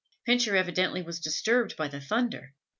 Pincher evidently was disturbed by the thunder.